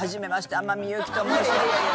天海祐希と申します」。